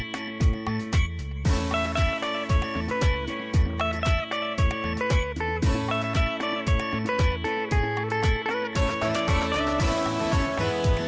สวัสดีครับ